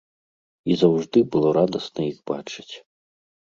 І заўжды было радасна іх бачыць.